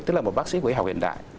tức là một bác sĩ của y học hiện đại